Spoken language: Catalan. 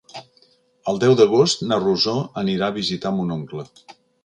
El deu d'agost na Rosó anirà a visitar mon oncle.